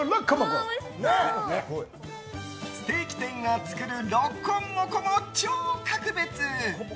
ステーキ店が作るロコモコも超格別。